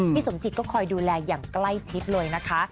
สมจิตก็คอยดูแลอย่างใกล้ชิดเลยนะคะ